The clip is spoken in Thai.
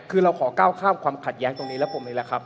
คือเราขอก้าวข้ามความขัดแย้งตรงนี้แล้วผมนี่แหละครับ